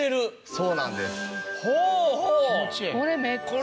そうなんです。